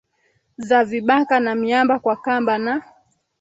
za vibaka na miamba kwa kamba na